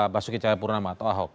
basuki cahayapurnama atau ahok